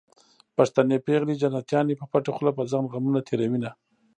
پښتنې پېغلې جنتيانې په پټه خوله په ځان غمونه تېروينه